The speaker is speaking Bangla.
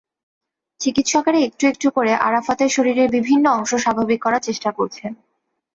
চিকিৎসকেরা একটু একটু করে আরাফাতের শরীরের বিভিন্ন অংশ স্বাভাবিক করার চেষ্টা করছেন।